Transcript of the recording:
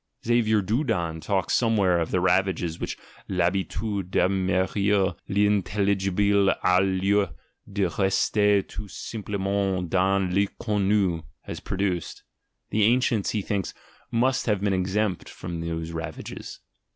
(Xaver Doudan talks somewhere of the ravages which V habitude d'admirer I'inintelligible au lieu de rester tout simplcmcnt dans Vinconnu has produced — the ancients, he thinks, must have been exempt from those ravages.)